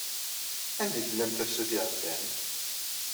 Anda i tellam tafsut iɛeddan?